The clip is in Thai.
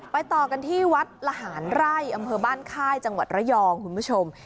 ต่อกันที่วัดละหารไร่อำเภอบ้านค่ายจังหวัดระยองคุณผู้ชม